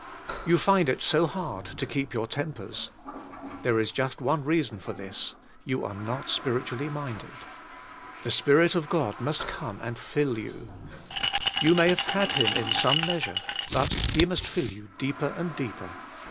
You find it so hard to keep your tem pers. There is just one reason for this; you are not spiritually minded. The Spirit of God must come and^// you. You may have had Him in some 22 taK SPIRITUAI, LIFK. measure but He must fill you deeper and deeper.